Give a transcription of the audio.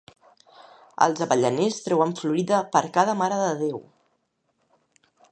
Els avellaners treuen florida per cada Mare de Déu.